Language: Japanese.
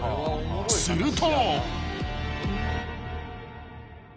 ［すると］